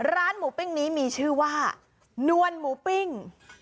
ร้านหมูปิ้งนี้มีชื่อว่านวลหมูปิ้ง